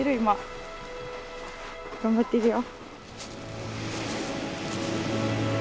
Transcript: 頑張ってるよ。